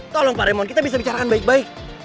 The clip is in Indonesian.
tolong pak raymond kita bisa bicara baik baik